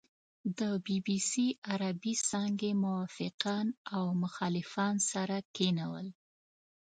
د بي بي سي عربې څانګې موافقان او مخالفان سره کېنول.